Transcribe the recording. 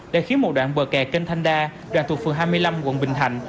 đã khiến một đoạn bờ kè kênh thanh đa đoạn thuộc phường hai mươi năm quận bình thạnh